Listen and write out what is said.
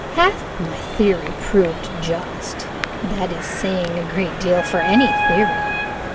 Half my theory proved just; that is saying a great deal for any theory.